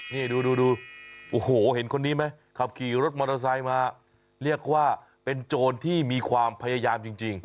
นี่ดูโอ้โหเห็นคนนี้ไหมขับขี่รถมอเตอร์ไซค์มาเรียกว่าเป็นโจรที่มีความพยายามจริง